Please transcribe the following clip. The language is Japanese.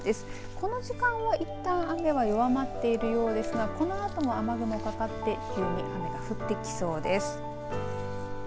この時間はいったん雨は弱まっているようですがこのあとも雨雲かかって急に雨が降ってきそうです。